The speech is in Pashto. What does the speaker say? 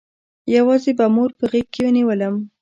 يوازې به مور په غېږ کښې نېولم.